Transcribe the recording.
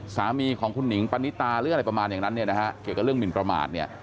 สามีของคุณหนิงปณิตาหรืออะไรประมาณอย่างนั้นเนี่ยนะฮะเกี่ยวกับเรื่องหมินประมาทเนี่ย